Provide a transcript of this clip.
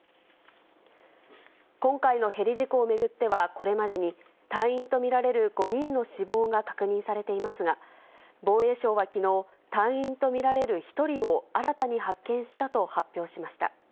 今回のヘリ事故を巡っては、これまでに隊員と見られる５人の死亡が確認されていますが、防衛省はきのう、隊員と見られる１人を新たに発見したと発表しました。